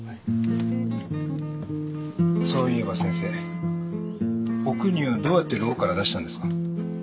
そういえば先生おくにをどうやって牢から出したんですか？